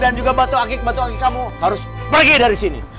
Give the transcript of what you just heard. dan juga batu agik batu agik kamu harus pergi dari sini